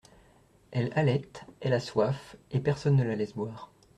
Elle halète, elle a soif, et personne ne la laisse boire.